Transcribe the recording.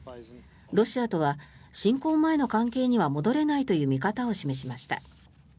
ロシアとは侵攻前の関係には戻れないという見方を示しました。